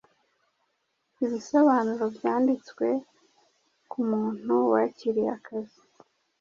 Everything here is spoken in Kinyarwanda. ibisobanuro byanditse kumuntu wakiriye akazi